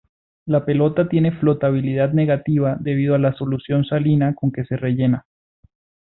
La pelota tiene flotabilidad negativa debido a la solución salina con que se rellena.